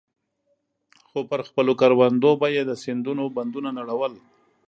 خو پر خپلو کروندو به يې د سيندونو بندونه نړول.